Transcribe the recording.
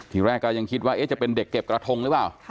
ทีแรกก็ยังคิดว่าจะเป็นเด็กเก็บกระทงหรือเปล่า